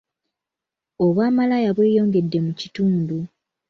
Obwamalaaya bweyongedde mu kitundu.